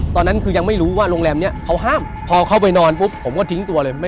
ตอนนั้นคือยังไม่รู้ว่าโรงแรมนี้เขาห้ามพอเข้าไปนอนปุ๊บผมก็ทิ้งตัวเลย